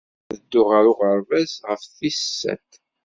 Ad dduɣ ɣer uɣerbaz ɣef tis sat.